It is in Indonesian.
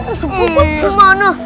nggak bisa bawa kemana